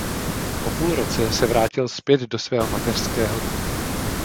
Po půl roce se vrátil zpět do svého mateřského týmu.